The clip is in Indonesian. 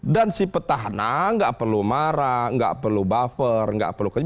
dan si petahana nggak perlu marah nggak perlu buffer nggak perlu kena